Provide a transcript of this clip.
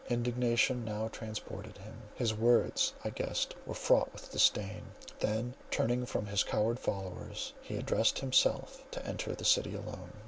Indignation now transported him; his words I guessed were fraught with disdain—then turning from his coward followers, he addressed himself to enter the city alone.